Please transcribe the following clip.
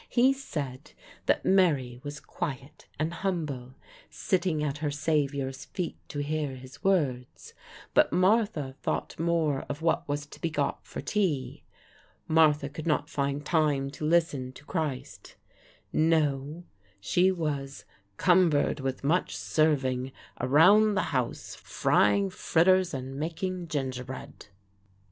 He said that Mary was quiet and humble, sitting at her Savior's feet to hear his words; but Martha thought more of what was to be got for tea. Martha could not find time to listen to Christ. No; she was "'cumbered with much serving' around the house, frying fritters and making gingerbread."